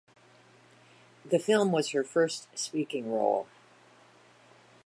The film was her first speaking role.